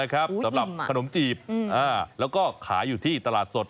๗ลูก๒๐สำหรับคนมจีบแล้วก็ขายอยู่ที่ตลาดสด